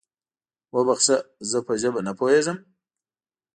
وبخښه، زه په ژبه نه پوهېږم؟